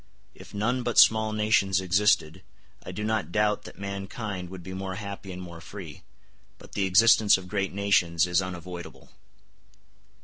If none but small nations existed, I do not doubt that mankind would be more happy and more free; but the existence of great nations is unavoidable.